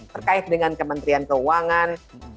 terkait dengan kementerian keuangan